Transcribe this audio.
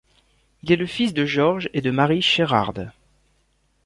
Il est le fils de George et de Mary Sherard.